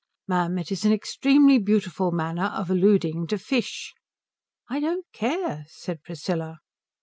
"Ma'am, it is an extremely beautiful manner of alluding to fish." "I don't care," said Priscilla.